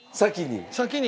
先に？